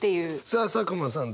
さあ佐久間さん